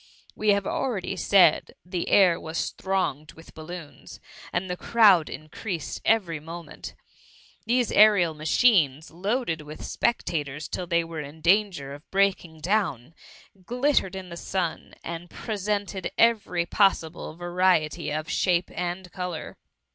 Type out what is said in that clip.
We have already said the air was thronged with balloons, and the crowd in creased every moment. These aerial machines, loaded with spectators till they were in dan ger of breaking down, glittered in the sun. 9170 THE HtTMHT. and presented every passible variety of shape and colour.